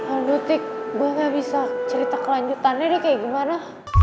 aduh tik gue gak bisa cerita kelanjutannya deh kayak gimana